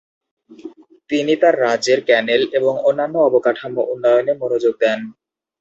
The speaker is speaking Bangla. তিনি তার রাজ্যের ক্যানেল এবং অন্যান্য অবকাঠামো উন্নয়নে মনোযোগ দেন।